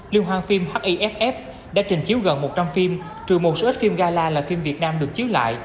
liên hoan phim hiff đã trình chiếu gần một trăm linh phim trừ một số ít phim gala là phim việt nam được chiếu lại